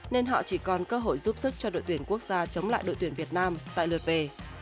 nên họ chỉ còn cơ hội giúp sức cho đội tuyển quốc gia chống lại đội tuyển việt nam tại lượt về